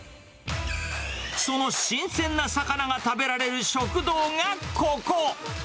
その新鮮な魚が食べられる食堂がここ。